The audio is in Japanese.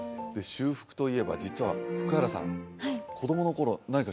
修復といえば実は福原さんはい